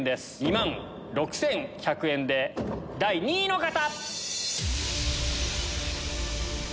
２万６１００円で第２位の方！